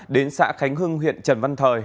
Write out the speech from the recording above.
đến xã khánh hưng huyện trần văn thời